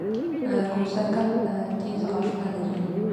کوسه کب تېز غاښونه لري